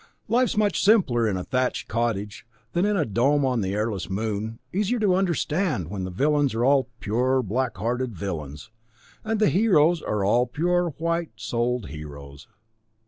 Life's much simpler in a thatched cottage than in a dome on the airless Moon, easier to understand when the Villains are all pure black hearted villains, and the Heroes are all pure White Souled Heroes.